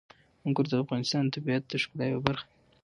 انګور د افغانستان د طبیعت د ښکلا برخه ده.